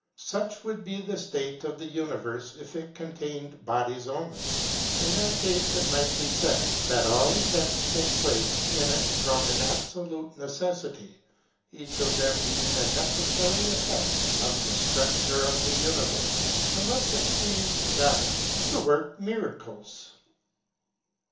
Such would be the ftate of the univerfe, if it contained bgdies only ; in that cafe it might be faid, that all events take place in it from an abfolute necefiity, each of them being a heceffary effect of the Structure of the univerfe ; unlefs it pleafed God to work miracles.